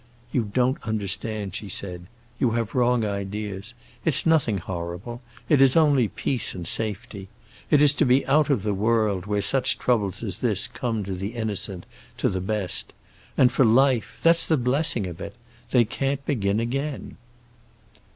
"You don't understand," she said. "You have wrong ideas. It's nothing horrible. It is only peace and safety. It is to be out of the world, where such troubles as this come to the innocent, to the best. And for life—that's the blessing of it! They can't begin again."